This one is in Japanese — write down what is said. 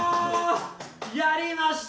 やりました！